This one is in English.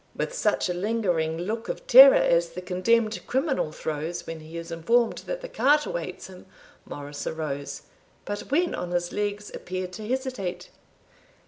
With such a lingering look of terror as the condemned criminal throws, when he is informed that the cart awaits him, Morris arose; but when on his legs, appeared to hesitate.